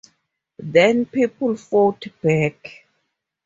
Then, people fought back.